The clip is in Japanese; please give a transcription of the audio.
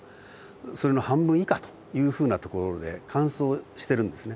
それの半分以下というふうな所で乾燥してるんですね。